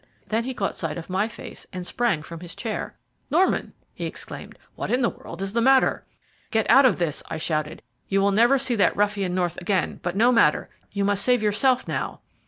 Then he caught sight of my face, and sprang from his chair. "Norman!" he exclaimed; "what in the world is the matter?" "Get out of this," I shouted. "You will never see that ruffian North again; but no matter, you must save yourself now."